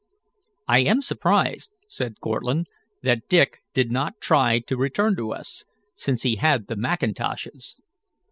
"I am surprised," said Cortlandt, "that Dick did not try to return to us, since he had the mackintoshes."